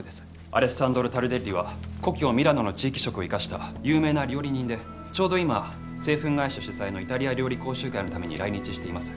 アレッサンドロ・タルデッリは故郷ミラノの地域色を生かした有名な料理人でちょうど今製粉会社主催のイタリア料理講習会のために来日しています。